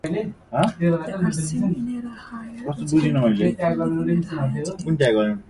They are seen in at a higher incidence in people living at high altitude.